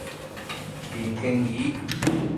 電競椅